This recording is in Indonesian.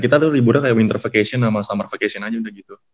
kita tuh liburnya kayak winter vacation sama summer vacation aja udah gitu